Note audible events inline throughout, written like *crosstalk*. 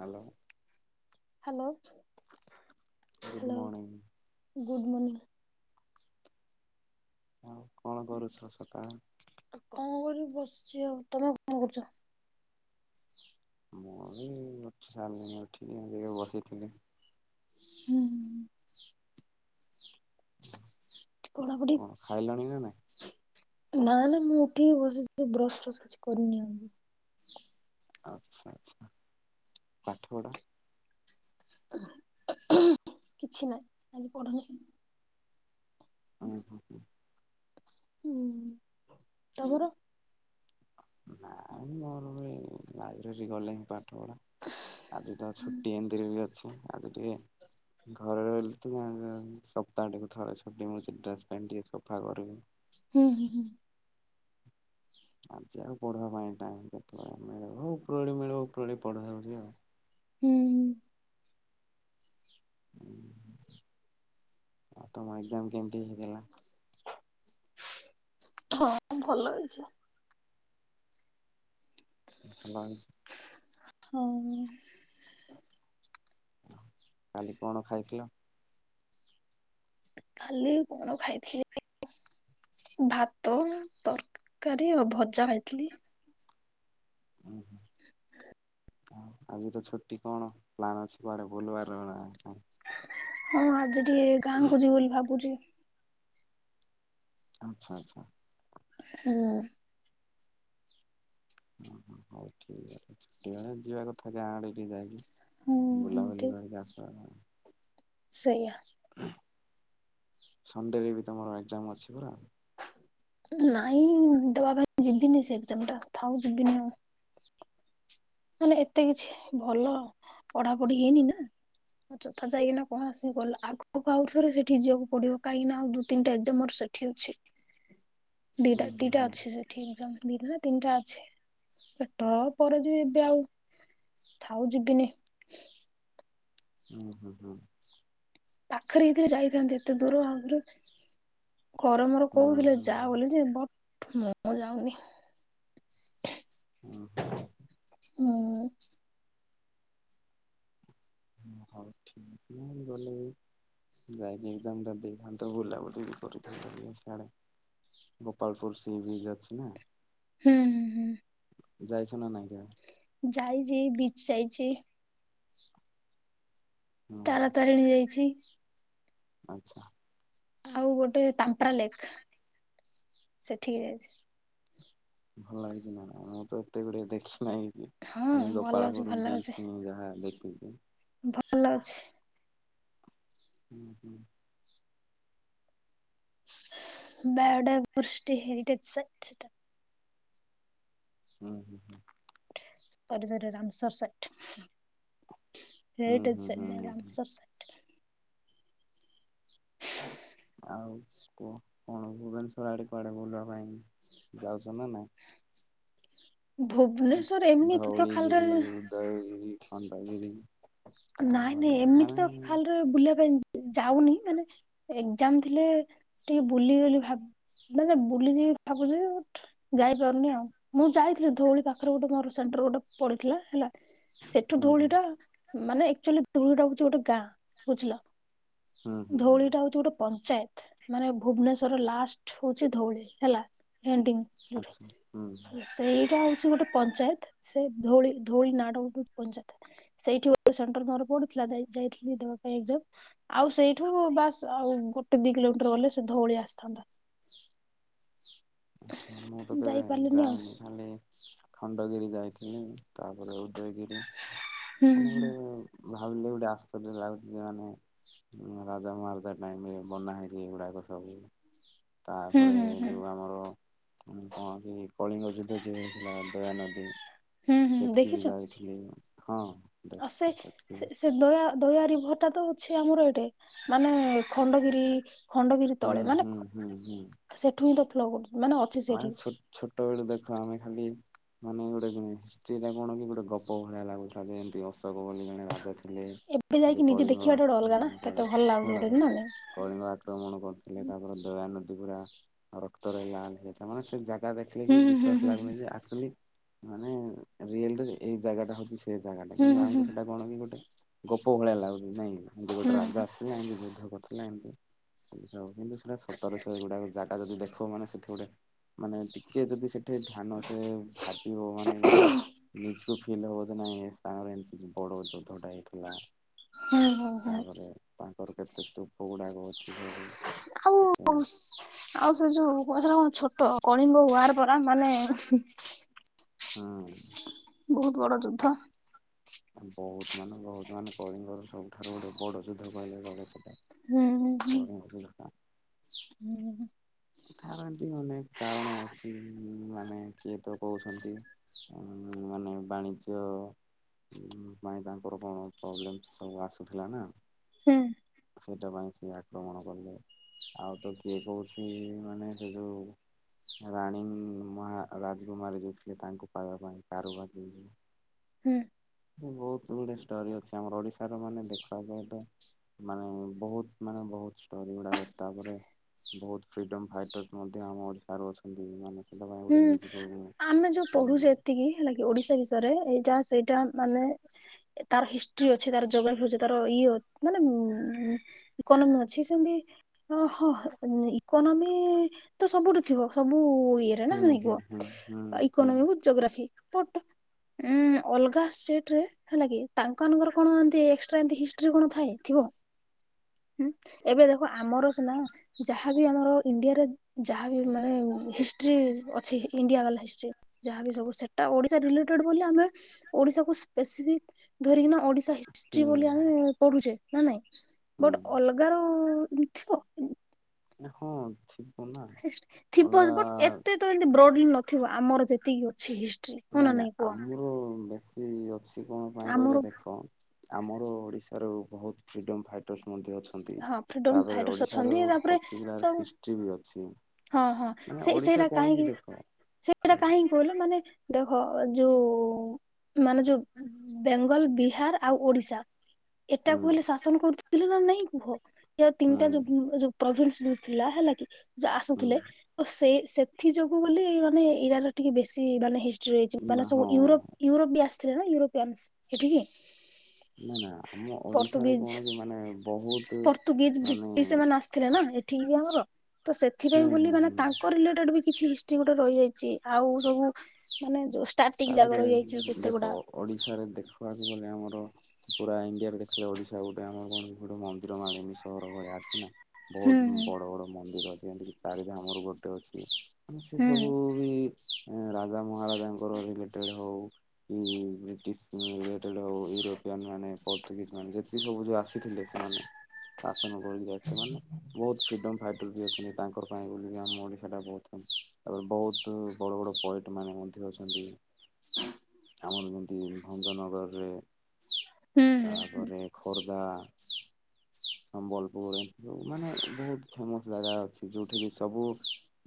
Hello hello good hello. Morning good morning. ଆଉ କଣ କରୁଛ ସକାଳୁ? ଆଉ କଣ କରିବି ବସିଚି। ଆଉ ତମେ କଣ କରୁଚ? ମୁଁ ବି ଉଠି ସାରିଲିଣି ଉଠିକି ଏମିତିକା ବସିଥିଲି। ହୁଁ। ପଢ଼ାପଢ଼ି? କଣ ଖାଇଲଣି ନା ନାଇଁ? ନା ନା ମୁଁ ଉଠିକି ବସିଚି। ବ୍ରସ ଫ୍ରସ କିଛି କରିନି ଆଉରି। ଆଚ୍ଛା ଆଚ୍ଛା। ପାଠପଢ଼ା? କିଛି ନାହିଁ। ପଢା ହଁ ହଁ ହଁ। ହୁଁ ତମର? ନାଇଁ ମୋର ବି ଲାଇବ୍ରେରୀ ଗଲେ ହିଁ ପାଠପଢା। ଆଜି ତ ଛୁଟି ଏମିତିରେ ବି ଅଛି। ଆଜି ଟିକେ ଘରେ ରହିଲେତ ସପ୍ତାହଟିକୁ ଥରେ ଛୁଟି ମିଳୁଚି ଡ୍ରେସ୍ ପ୍ୟାଣ୍ଟ୍ ଟିକେ ସଫା କରିବି। ହୁଁ ହୁଁ ହୁଁ। *inaudible* ଆଜି ଆଉ ପଢ଼ିଆ ପାଇଁ ଟାଇମ୍ କେତେବେଳେ ମିଳିବ ଉପରଳି ମିଳିବ ଉପରଳି ପଢାବାକୁ ଯିବା। ହୁଁ। ଉ ଆଉ ତମ ଏଗ୍ଜାମ୍ କେମିତି ହେଇଥିଲା? ହଁ ଭଲ ହେଇଚି। ଭଲ ହେ ହୁଁ। କାଲି କଣ ଖାଇଥିଲ? କାଲି କଣ ଖାଇଥିଲି ଭାତ ତରକାରୀ ଆଉ ଭଜା ଖାଇଥିଲି। ଉଁ ହୁଁ। ଆଜିତ ଛୁଟି କଣ ପ୍ଲାନ ଅଛି କୁଆଡ଼େ ବୁଲିବାରନା ନାଇଁ। ହଁ ଆଜି ଟିକେ ଗାଁକୁ ଯିବି ବୋଲି ଭାବୁଚି। ଆଚ୍ଛା ଆଚ୍ଛା। ହୁଁ। ଓହୋ ହଉ ଠିକ୍ ଅଛି ଛୁଟି ବେଳେ ଯିବା କଥା ଗାଁ ଆଡ଼େ ଟିକେ ଯାଇକି ହୁଁ ହୁଁ ବୁଲାବୁଲି ଠିକ୍। କରିିକି ଆସ *unintelligible* ସେଇଆ। ସନଣ୍ଡେରେବି ତମର ଏଗ୍ଜାମ୍ ଅଛି ପରା? ନାଇଁ ଦେବା ପାଇଁ ଯିବିନି ସେ ଏଗ୍ଜାମଟା ଥାଉ ଯିବିନି ଆଉ। ମାନେ ଏତେ କିଛି ଭଲ ପଢ଼ାପଢ଼ି ହେଇନିନା ଯଥା ଯାଇକିନା କଣ ଆସିକି ଗଲା ଆଗକୁ ଆଉ ଥରେ ସେଠିକି ଯିବାକୁ ପଡ଼ିବ କାହିଁକିନା ଆଉ ଦୁଇ ତିନିଟା ଏଗ୍ଜାମ୍ ମୋର ସେ ସେଠି ଅଛି। ଦିଟା ହୁଁ ହୁଁ ଦିଟା ହୁଁ ଅଛି ସେଠି ଏଗ୍ଜାମ୍ ଦିଟାନା ତିନିଟା ଅଛି ଟପରେ ଯେ ଆଉ ଥାଉ ଯିବିନି। ହୁଁ ହୁଁ ହୁଁ। ପାଖରେ ହେଇଥିନେ ଯାଇଥାନ୍ତି ଏତେ ଦୂର ଆଗରୁ ଘରେ ମୋର ହୁଁ କହୁଥିଲେ ହୁଁ ହୁଁ ହୁଁ ଯାବୋଲିଯେ ବଟ୍ ମୁଁ ଆଉ ଯାଉନି। ଉଁ ହୁଁ ହୁଁ। ହୁଁ। ହୁଁ ହଉ ଠିକ୍ *unintelligible* ଗଲେ ଯାଇକି ଏଗ୍ଜାମଟା ଦେଇଥାନ୍ତ ବୁଲାବୁଲିବି କରିଥାନ୍ତ ଟିକେ ଛାଡ଼। ଗୋପାଳପୁର ସିବିଜ୍ ଅଛିନା ହୁଁ ହୁଁ ହୁଁ। ଯାଇଛନା ନାଇଁ କେଆଣି। ଯାଇଚି ବିଚ୍ ଯାଇଚି। ହୁଁ ତାରା ତାରିଣୀ ଯାଇଚି। ଆଚ୍ଛା। ଆଉ ଗୋଟେ ତାମ୍ପ୍ରାଲେକ୍ ସେଠିକି ଯାଇଚି। ଭଲ ଲାଗୁଚିନା ମୁତ ଏତେ ଗୁଡ଼ିଏ ଦେଖି ନାହିଁବି। ହଁ ଖାଲି ଭଲ ଲାଗୁଛି ଗୋପାଳପୁର ଭଲ ଲାଗୁଛି। ବିଜ୍ ମୁଯାହା ଦେଖିଚି‌। ଭଲ ଲାଗୁଛି। ହୁଁ ହୁଁ। ବେଡ ବୃଷ୍ଟି ହେରିଟେଜ୍ ସାଇଟ ସେଇଟା ହୁଁ ହୁଁ ହୁଁ। *unintelligible* ରାମସର ସାଇଟ ହୁଁ ହୁଁ ହୁଁ ହୁଁ ଆଉ କୁହ କଣ ଭୁବନେଶ୍ଵର ଆଡେ କୁଆଡେ ବୁଲିବା ପାଇଁ ଯାଉ ଜ ନାଇଁ? ଭୁବ ଧଉଳିଗିରି ଉଦୟଗିରି ଖଣ୍ଡଗିରି ନାଇଁ ନାଇଁ ତାପରେ ଏମିତି ମାନେ ତ ଖାଲି ବୁଲିବା ପାଇଁ ଯାଉନି ମାନେ ଏଜାମ ଥିଲେ ଟିକେ ବୁଲି ବୋଲି ଭାବ ମାନେ ବୁଲିିଯିବି ଭାବୁଛି। ଯାଇପାରୁନି ଆଉ ମୁଁ ଯାଇଥିଲି ଧଉଳି ପାଖରେ ଗୋଟେ ମୋର ସେଣ୍ଟର ଗୋଟେ ପଡିଥିଲା ହେଲା। ସେଠୁ ହୁଁ ହୁଁ ଧୂଳିଟା ମାନେ ଆଚୁଆଲି ଧୂଳିଟା ହଉଛି ଗୋଟେ ଗାଁ ବୁଝିଲ। ହୁଁ ହୁଁ ହୁଁ ଧଉଳି ଟା ହଉଛି ଗୋଟେ ପଞ୍ଚାୟତ। ମାନେ ଭୁବନେଶ୍ୱର ଲାଷ୍ଟ ହଉଛି ଧଉଳି ହେଲା ଏଣ୍ଡି। ଆଚ୍ଛା ହୁଁ। ସେଇଟା ଆଉ ଗୋଟେ ପଞ୍ଚାୟତ ସେ ଧୋଳି ଧୋଳି ନା ର ଗୋଟେ ପଞ୍ଚାୟତ ସେଇଠି ସେଣ୍ଟର ମୋର ପଡିଥିଲା ଯାଇଥିଲି ଦବା ପାଇଁ ଏକ୍ଜାମ। ଆଉ ସେଇଠୁ ବାସ୍ ଆଉ ଗୋଟେ ଦି କିିଲୋମିଟର ଗଲେ ସେ ଧଉଳି ଆସିଥାନ୍ତା। ଆଛା ମୁଁ ତ କେବେ ଯାଇପାରିଲିନି ଆଉ। ଯାଇନି ଖାଲି। ଖଣ୍ଡଗିରି ଯାଇଥିଲି। ତାପରେ ଉଦୟଗିରି ହୁଁ ମାନେ ହୁଁ ଗୋଟେ ଭାବିଲେ ଗୋଟେ ଆଶ୍ଚର୍ଯ୍ୟ ଲାଗୁଛି ମାନେ ରାଜା ମହାରାଜା ଟାଇମ ରେ ବନା ହେଇଛି ଏଗୁଡାକ ସବୁ। ହୁଁ ତାପରେ ହୁଁ ହୁଁ। ଯୋଉଁ ଆମର କୌଣସି କଳିଙ୍ଗ ଯୁଦ୍ଧ ଯେଉ ହେଇଥିଲା ଦୟାନଦୀ ହୁଁ ହୁଁ ସେଠିକି ବି ଯାଇଥିଲି। ହଁ ଆ ସେ ଦେଖିକି ସେ ଆସିଲି ସେ ଦୟ ଦୟାରିଭରଟା ତ ଅଛି ଆମର ଏଠି ମାନେ ଖଣ୍ଡଗିରି ଖଣ୍ଡଗିରି ହୁଁ ତଳେ ମାନେ ହୁଁ ହୁଁ ସେଠୁ ହିଁ ତ ଫ ଲଗଡୁନି ମାନେ ଅଛି ସେଇଠି ମାନ ଛୋଟବେଳୁ ଦେଖ ଆମେ ଖାଲି। ମାନେ ଗୋଟେ ହିଷ୍ଟିଟା କଣ କି ଗୋଟେ ଗପ ଭଳିଆ ଲାଗୁଥିଲା ଯେମତି ଅଶୋକ ବୋଲି ଜଣେ ରାଜା ଥିଲା। ଏବେ *unintelligible* ଯାଇକି ନିଜେ ଦେଖିବାଟା ଗୋଟେ ଅଲଗା ନା କେତେ ଭଲ ଲାଗୁଛି ଗୋଟେ ନା ନାଇଁ। କଳିଙ୍ଗ ଆକ୍ରମଣ କରିୁଥିଲେ ତାପରେ ଦୟା ନଦୀ ପୁରା ରକ୍ତ ରହିଲାଯାଇଥିଲା ମାନେ ସେ ଯା ା ଦେଖିଲେ ବି ହୁଁ ହୁଁ ବିଶ୍ଵାସ ହୁଁ ଲାଗୁନି ଯେଚୁ ମାନେ ରିଲ ଏଇ ଜାଗା ଟା ହଉଛି। ସେ ଜାଗାଟା କିନ୍ତୁ ହୁଁ। ଆମକୁ ସେଇଟା କଣ କି ଗୋଟେ ଗୋପ ଭଳିଆ ଲାଗୁଛି ନାଇଁ। ଏମିତି ହୁଁ ହୁଁ ହୁଁ ଗୋଟେ ରାଜା ଆସିଥିଲା ଏମିତି ଯୁଦ୍ଧ କରିଥିଲା ଏମିତି। ସେଇ କିନ୍ତୁ ସେଟା ସତର ଶହ ଏଗୁଡା ଜାଗା ଯଦି ଦେଖ ମାନେ ସେଠି ଗୋଟେ ମାନେ ଟିକେ ଯଦି ସେଠି ଧ୍ୟାନ ସେ ଭାବିବ ମାନେ ଗୋଟେ ନିଜ ଫ ହଉ ନାଇଁ ସାଙ୍ଗ ଏମି ବଡ ଯୋଦ୍ଧଟା ହେଇଥିଲା। ହୁଁ ହୁଁ ହୁଁ ହୁଁ ତାପରେ ତାଙ୍କର କେତେ ସ୍ତୂପ ଗୁଡାକ ଅଛି ସବୁ ଆଉ ସେଠ ଆଉ ସେ ଯୋଉ ଗଛ କଣ ଛୋଟ କଳିଙ୍ଗ ଉୁାର ପରା ମାନେ ହଁ। ବହୁତ ବଡ ଯୁଦ୍ଧ। ବହୁତ ମାନେ ବହୁତ ମାନେ କଳିଙ୍ଗର ସବୁଠାରୁ ଗୋଟେ ବଡ ଯୁଦ୍ଧ କହିଲେ ଚଳେ ସେଟା ହୁଁ ହୁଁ *unintelligible* *unintelligible* ତାର ଏମତି ଅନେକ କାରଣ ଅଛି ମାନେ କିଏ ତ କହୁଛନ୍ତି। ମାନେ ବାଣିଜ୍ୟ ଉମ ପାଇଁ ତାଙ୍କର କଣ ପ୍ରୋବ୍ଲେମ୍ ସବୁ ଆସୁଥିଲା ନା ହୁଁ। ସେଇଟା ପାଇଁ ସିଏ ଆକ୍ରମଣ କଲେ, ଆଉ ତ କିଏ କହୁଛି ମାନେ ସେ ଯୋଉ ରାଣୀ ମହା ରାଜକୁମାରୀ ଯୋଉଥିଲେ ତାଙ୍କୁ ପାଇବା ପାଇଁ। *unintelligible* ହୁଁ। ବହୁତ ଗୁଡେ ଷ୍ଟୋରି ଅଛି ଆମର ଓଡିଶା ର ମାନେ ଦେଖିବାକୁ ତ ମାନେ ବହୁତ ମାନେ ବହୁତ ଷ୍ଟୋରି ଗୁଡା ଅଛି। ତାପରେ ବହୁତ ଫ୍ରିଡମ ଫାଇଟର୍ସ ମଧ୍ୟ ଆମ ଓଡିଶାରୁ ଅଛନ୍ତି ମାନେ ସେଟା ପାଇଁ ଗୋଟେ ହୁଁ ନିଜକୁ ହୁଁ ଆମେ ଯୋଉ ପଢୁଚେ ଏତିକି ହେଲା କି -ଓଡିଶା ବିଷୟରେ ଏଇଟା ସେଇଟା ମାନେ ଏ ତାର ହିଷ୍ଟ୍ରି ଅଛି, ତାର ଜୋଗ୍ରାଫି ଅଛି, ତାର ଇଏ ମାନେ ଉଁ *unintelligible* ସେମତି ଓହଁ ହ ଇକୋନୋମି ତ ସବୁଠୁ ଥିବ ସବୁ ଇଏରେ *unintelligible* ହୁଁ ହୁଁ ହୁଁ ହୁଁ ଜୋଗ୍ରାଫି ପଟ ଉ ଅଲଗା ଷ୍ଟେଟ ରେ ହେଲା କି ତାଙ୍କମାନଙ୍କର କଣ ଏନତି ଏଷ୍ଟ୍ରା ଏନତି ହିଷ୍ଟ୍ରି କଣ ଥାଏ ଥିବ ଉମ? ଏବେ ଦେଖ ଆମର ସିନା ଯାହାବି ଆମର ଇଣ୍ଡିଆରେ, ଯାହାବି ମାନେ ହିଷ୍ଟ୍ରି ଅଛି ଇଣ୍ଡିଆ ବାଲା ହିଷ୍ଟ୍ରି, ଯାହାବି ସବୁ ସେଟା ଓଡିଶା ରିଲେଟେଡ ବୋଲି ଆମେ ଓଡିଶାକୁ ସ୍ପେସିଫିକ ଧରିକିନା ଓଡିଶା ହିଷ୍ଟି ବୋଲି ହୁଁ ଆମେ ପଢୁଛେ ନା ନାଇଁ ହୁଁ ବଟ ଅଲଗା ର ଏନତି ଥିବ? ହଁ ଥି ହିସ ଥିବ ବଟ ଏତେ ତ ଏମତି ବ୍ରଡଲି ନଥିବ ଆମର ଯେତିକି ଅଛି ହିଷ୍ଟ୍ରି ହଁ ନା ନାଇଁ ନାଇଁ କୁହ ଆମର ବେଶୀ ଅଛି କଣ ପାଇଁ କହିଲେ ଆମର ଦେଖ ଆମର ଓଡ଼ିଶାରୁ ବହୁତ ଫ୍ରିଡ଼ମ୍ ଫାଇଟ ଟର୍ସ ମଧ୍ୟ ଅଛନ୍ତି। ହଁ ଫ୍ରିଡମ ତାପରେ ଫାଇଟର୍ସ ଓଡିଶାର ଅଛନ୍ତି ତାପରେ ପଟିକୁଲାର ସବୁ ହିଷ୍ଟ୍ରି ବି ଅଛି। ହଁ ହଁ ମାନେ ସେ ଓଡିଶା ସେଇଟା କଣ କି କାହିଁକି ଦେଖ ସେଇଟା କାହିଁକି କହିଲ ମାନେ ଦେଖ ଯୋଉ ମାନେ ଯୋଉ ବେଙ୍ଗଲ, ବିହାର, ଆଉ ଓଡିଶା ଏଟା ହୁଁ କୁ ହେଲେ ଶାସନ କରୁଥିଲେ ନା ନାଇଁ କୁହ? ୟାର ତିନିଟା ହୁଁ ଯୋଉ *unintelligible* *unintelligible* ଥିଲା ହେଲା କି ସେ ଆସୁଥିଲେ। ତ ସେ ସେଥି ଯୋଗୁ ବୋଲି ମାନେ ଇରାର ଟିକେ ବେଶୀ ମାନେ ହିଷ୍ଟ୍ରି ହେଇଚି। ମାନେ ହୁଁ ସବୁ ୟୁରୋପ ହଁ ୟୁରୋପ ବି ଆସିଥିଲେ ନା ୟୁରୋପିଆନ୍ ଏଠ କି? ନା ନା ଆମ ଓଡିଶାରେ କଣ କି ମାନେ ପ ପର୍ତୁଗିଜ ବ୍ରିଟିଶ ସେମାନେ ଆସିଥିଲେ ନା। ଠିକ ଆମର ତ ହୁଁ ସେଥିପାଇଁ ବୋଲି ହୁଁ ମାନେ ହୁଁ ତାଙ୍କ ରିଲେଟ *unintelligible* କିଛି ହିଷ୍ଟି ଗୋଟେ ରହିଯାଇଚି ଆଉ ସବୁ ମାନେ ଯୋ ଷ୍ଟାଟିକ୍ ତାପରେ ଜାଗା ରହିଯାଇଚି ଦେଖ କେତେଗୁଡ଼ା ଓଡିଶାରେ ଦେଖିବାକୁ ଗଲେ ଆମର ପୁରା ଇଣ୍ଡିଆରେ ଦେଖିଲେ ଓଡିଶା ଗୋଟେ ଆମର କଣ ଗୋଟେ ମନ୍ଦିର ମାଳିନୀ ସହର ଭଳିଆ ଅଛି ନା। ହୁଁ ବହୁତ ବଡ଼ ବଡ଼ ମନ୍ଦିର ଅଛି। ଏମିତିକି ଚାରିଧାମରୁ ଗୋଟେ ଅଛି। ମାନେ ସେ ହୁଁ ସବୁ ବି ରାଜା ମହାରାଜାଙ୍କର ରିଲେଟେଡ଼ ହଉ କି ବ୍ରିଟିଶ ଲେଟେଡ ହଉ ୟୁରୋପିଆନ୍ ମାନେ ପର୍ତୁଗିଜ ମାନେ ଯେତିକ ସବୁ ଯୋଉ ଆସ ସି ଥିଲେ ସେମାନେ ଆସନ କରୁଥିଲେ ସେମାନେ ବହୁତ ଫ୍ରିଡମ ଫାଇଟର ବି ଅଛ ତାଙ୍କ ପାଇଁ ବୋଲି ଆମ ଓଡିଶା ଟା ବହୁତ ଫେମ ତାପରେ ବହୁତ ବଡ ବଡ ପୋଏଟ ମାନେ ମଧ୍ୟ ଅ ଆ *unintelligible* ହ *unintelligible* ଆମର ଯେମିତି ଭଞ୍ଜନଗରରେ ହୁଁ ହୁଁ। ତାପରେ ଖୋର୍ଦ୍ଧା ସମ୍ବଲପୁର ମାନେ ବହୁତ ଫେମସ ଜାଗା ଅଛି ଯୋଉଠିକି ସବୁ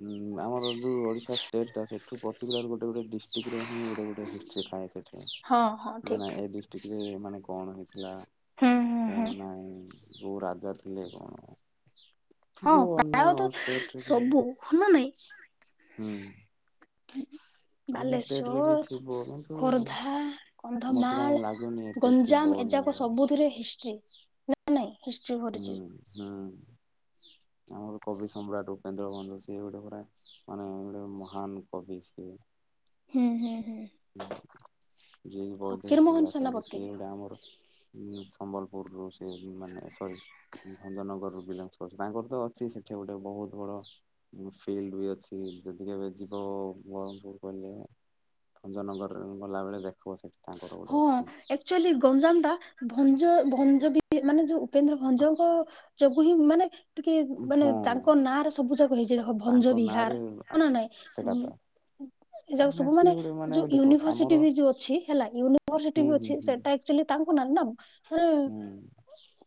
ଉ ଆମର ଯୋଉ ଓଡିଶା ଷ୍ଟେଟା ସେଠୁ ପର୍ଟକୁଲର ଗୋଟେ ଗୋଟେ ଡିଷ୍ଟ୍ରିକିର ହିଁ ଗୋଟ ଗୋଟେ ହିଷ୍ଟି ଥାଏ ସେଥି ରେ ହଁ ହଁ ଠିକ। ଏକ *inaudible* ରେ ମାନେ କଣ ହେଇ ଥିଲା ହୁଁ ହୁଁ ହୁଁ କଣ ନାହିଁ କୋଉ ରାଜା ଥିଲେ କଣ? ହଁ ଥିବ ଅନ୍ୟ ପ୍ରାୟତଃ ଷ୍ଟେଷ୍ଟରେ ସବୁ ହଁ ନା ହୁଁ ଠ *unintelligible* ଅନ୍ୟ ଷ୍ଟେଟ ରେ ବି ବାଲେଶ୍ଵର, ଥିବ କିନ୍ତୁ ଖୋର୍ଦ୍ଧା, ମତେ କାହିଁ ଲାଗୁନି କନ୍ଧମାଳ ଏତେ ଥିବ ଗଞ୍ଜାମ ବୋଲି ଏଯାକ ସବୁଥିରେ ହିଷ୍ଟ୍ରି ନା ନାଇଁ ହିଷ୍ଟ୍ରି କରିଛି। ହୁଁ ହୁଁ ଆମର କବି ସମ୍ରାଟ ଉପନ୍ଦ୍ର ଭଞ୍ଜ ସିଏ ଗୋଟେ ପରା ମାନେ ଗୋଟେ ମହାନ କବି ସିଏ। ହୁଁ ହୁଁ ହୁଁ। ହଁ ଯ ବହୁତ ଦିନ ଫକୀରମୋହନ ସୁବିଧ ସେନାପତି ସି ବି ଡମ *unintelligible* ହୁଁ ସମ୍ବଲପୁରରୁୁ ସେ ମାନେ ସରି ଭଞ୍ଜନଗରରୁ ବିଲଙ୍ଗସ୍ କରୁଛି ତାଙ୍କର ତ ଅଛି ସେଇଠି ଗୋଟେ ବହୁତ ବଡ଼ ଫିଲ୍ଡ ବି ଅଛି ଯଦି କେବେ ଯିବ ବ୍ରହ୍ମପୁର କହିଲେ ଭଞଜନଗର ଗଲାବେଳେ ଦେଖିବ ସେଠି ତାଙ୍କର ହଁ ଗୋଟେ ଅଛି ଏକଚୁଆଲି ଗଞ୍ଜାମ ଟା ଭଞ୍ଜ ଭଞ୍ଜ ବି ମାନେ ଯୋଉ ଉପେନ୍ଦ୍ର ଭଞ୍ଜଙ୍କ ଯୋଗୁ ହିଁ ମାନେ ଟିକେ ମାନେ ହଁ ତାଙ୍କ ନାଁ ର ସବୁ ଯାକ ହେଇଛି ଦେଖ ଭଞ୍ଜ ତାଙ୍କ ନାଁରେ ବିହାର ହ ନା ସେଟା ନାଇଁଁ ତ ଏ ଯାକ କାହିଁକି ନା ସବୁ ମାନେ ସିଏ ଗୋଟେ ଯୋଉ ଦେଖ ଆମର ୟୁନିଭରସିଟି ବି ଯୋଉ ଅଛି ହେଲା ୟୁନିଭର୍ସିଟି ହୁଁ ବି ହୁଁ ଅଛି ହୁଁ ସେଟା ଆଚୁଆଲି ତାଙ୍କୁ ନା ନା ମାନେ ହୁଁ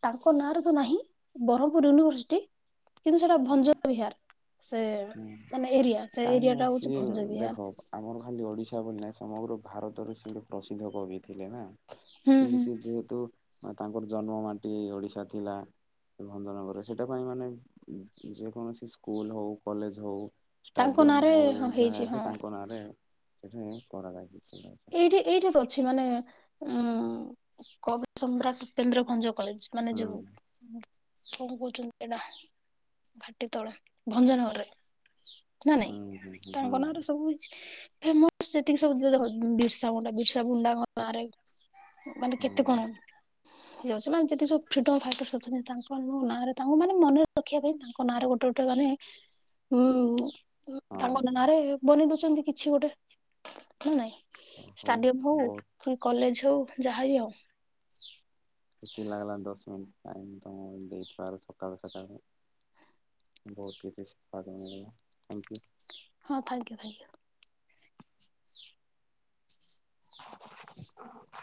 ତାଙ୍କ ନାଁରେ ତ ନାହିଁ ବ୍ରହ୍ମପୁର ୟୁନିଭରସିଟି। କିନ୍ତୁ ସେଟା ଭଞ୍ଜ ବିହାର ସେ ହୁଁ ମାନେ ଏରିଆ ସେ କାହିଁକି ଏରିଆ ନା ଟା ହଉଛି ସିଏ ଭଞ୍ଜ ଦେଖ ବିହାର। ଆମର ଖାଲି ଓଡ଼ିଶା ବୋଲି ନାହିଁ ସମଗ୍ର ଭାରତରେ ସେ ଗୋଟେ ପ୍ରସିଦ୍ଧ କବି ଥିଲେ ନା। ହୁଁ କିନ୍ତୁ ହୁଁ ସେ ଯେହେତୁ ତାଙ୍କର ଜନ୍ମ ମାଟି ଓଡିଶା ଥିଲା ସେ ଭଞ୍ଜନଗରରେ ସେଟା ପାଇଁ ମାନେ ଯେକୌଣସି ସ୍କୁଲ ହଉ କଲେଜ ହଉ ତାଙ୍କ ଷ୍ଟାଡିୟମ ନାଁରେ ହଉ ହଁ ଯାହା ହେଇଛି ଏବେ ହଁ ତାଙ୍କ ନାଁରେ ସେଠି କରାଯାଇଛି। ସେଟା ଏଇଠି ଏଇଠି ତ ଅଛି ମାନେ ଉ କବି ସମ୍ରାଟ ଉପେନ୍ଦ୍ର ଭଞ୍ଜ କଲେଜ ମାନେ ହୁଁ ଯୋଉ କଣ କହୁଛନ୍ତି ଏଇଟା ଘାଟି ତଳେ ଭଞ୍ଜନଗରରେ ନା ନାଇଁ ହୁଁ ହୁଁ ହୁଁ ତାଙ୍କ ନାଁ ର ସବୁ କିଛି ଫେମସ ଯେତିକି ସବୁ ଦେଖ ବିର୍ସାମୁୁଣ୍ଡା ବିର୍ସା ମୁଣ୍ଡା ଙ୍କ ନାଁରେ ମାନେ କେତେ ହୁଁ କଣ ଯେତେ ସବୁ ମାନେ ଫିଡମ ଫାଇଟର୍ସ ଅଛନ୍ତି ତାଙ୍କ ନାଁରେ ତାଙ୍କୁ ମାନେ ମନରେ ରଖିବା ପାଇଁ ତା ତାଙ୍କ ନା ରେ ଗୋଟେ ଗୋଟେ ମାନେ ହୁଁ ହଁ ତାଙ୍କ ନାଁରେ ବନେଇ ଦଉଛନ୍ତି କିଛି ଗୋଟେ ନା ନାଇଁ। ଷ୍ଟାଡିୟମ ହଉ କି କଲେଜ ହଉ ଯାହାବି ହଉ। ଖୁସି ଲାଗିଲା ଦଶ ମିନିଟ୍ ଟାଇମ୍ ତମ ଦେଇଥିବାରୁ ସକାଳୁ ସକାଳୁ ବହୁତ କିଛି ଶିଖିବାକୁ ମିଳିଲା। Thank you. ହଁ ଥ୍ୟାଙ୍କ ୟୁ ଥ୍ୟାଙ୍କ ୟୁ। *inaudible*